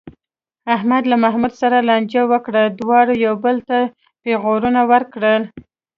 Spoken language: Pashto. احمد له محمود سره لانجه وکړه، دواړو یو بل ته پېغورونه ورکړل.